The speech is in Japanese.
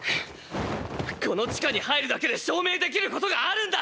この地下に入るだけで証明できることがあるんだ！